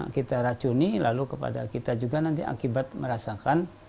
kita racuni lalu kepada kita juga nanti akibat merasakan